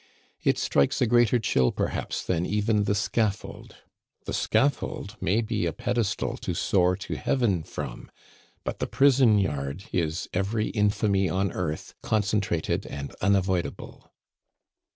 It strikes a greater chill perhaps than even the scaffold. The scaffold may be a pedestal to soar to heaven from; but the prison yard is every infamy on earth concentrated and unavoidable.